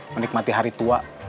menikmati hari tua